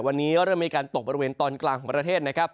วันนี้เริ่มมีการตกบริเวณตอนกลางของประเทศนะครับ